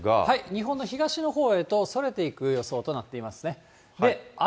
日本の東のほうへとそれていく予想となっています。